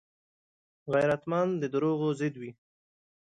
غیرتمند د دروغو ضد وي